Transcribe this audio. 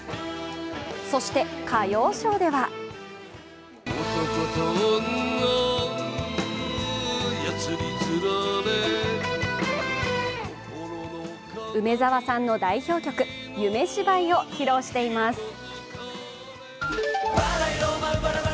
そして、歌謡ショーでは梅沢さんの代表曲「夢芝居」を披露しています。